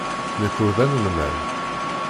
Nekk ur d anelmad.